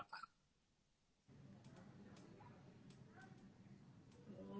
kota kotanya suka ngelawak kota apa